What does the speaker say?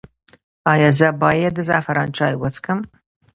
ایا زه باید د زعفران چای وڅښم؟